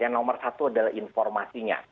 yang nomor satu adalah informasinya